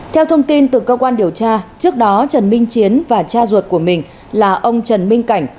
theo thông tin từ cơ quan điều tra trước đó trần minh chiến và cha ruột của mình là ông trần minh cảnh